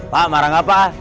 pak marah gak pak